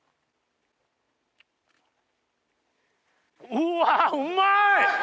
うわうまい！